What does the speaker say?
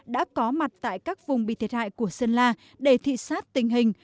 đã có mặt tại các vùng bị thiệt hại của sơn la để thị xát tình hình